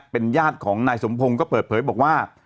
เป็นญาติของนายสมพงศ์ก็เปิดเผยบอกว่า